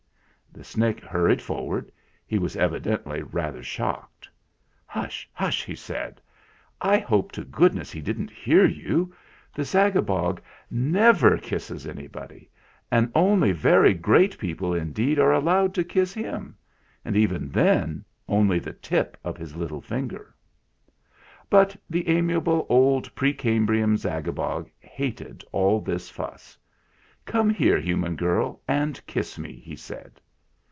The Snick hurried forward: he was evi dently rather shocked. "Hush! hush!" he said. "I hope to good ness he didn't hear you! The Zagabog never kisses anybody, and only very great people in 158 THE FLINT HEART deed are allowed to kiss him. And even then only the tip of his little finger !" But the amiable old pre Cambrian Zagabog hated all this fuss. " Come here, human girl, and kiss me !" he said.